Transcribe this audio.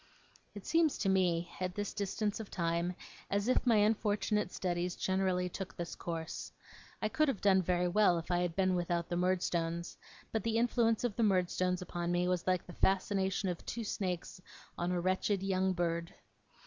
It seems to me, at this distance of time, as if my unfortunate studies generally took this course. I could have done very well if I had been without the Murdstones; but the influence of the Murdstones upon me was like the fascination of two snakes on a wretched young bird.